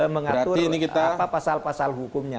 mengatur apa pasal pasal hukumnya